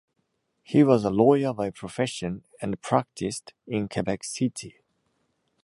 He was a lawyer by profession, and practised in Quebec City.